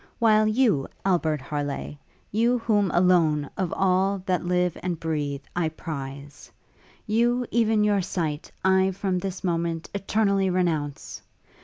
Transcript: While you, Albert Harleigh, you whom alone, of all that live and breath, I prize, you, even your sight, I, from this moment, eternally renounce!